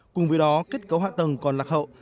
cùng với đó kết cấu hạ tầng còn lạc hậu